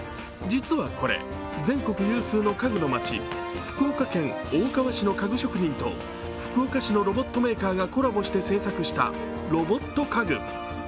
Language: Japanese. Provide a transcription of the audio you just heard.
実はこれ、全国有数の家具の町、福岡県大川市の家具職人と福岡市のロボットメーカーがコラボして制作したロボット家具。